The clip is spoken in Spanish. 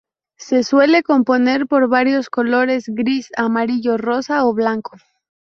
Se suele componer por varios colores; gris, amarillo, rosa o blanco.